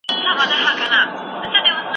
ټول قدرت د خلګو سره دی.